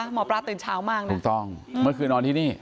หมอปลาตื่นเช้ามากนะถูกต้องเมื่อคืนนอนที่นี่